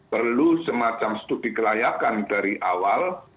perlu semacam studi kelayakan dari awal